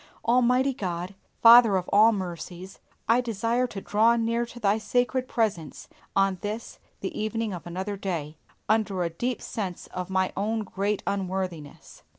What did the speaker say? Almighty God, Father of all mercies, I desire to draw near into Thy sacred presence on this the evening of another day, under a deep sense of my own great unworthiness.